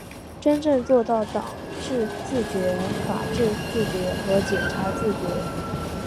真正做到政治自觉、法治自觉和检察自觉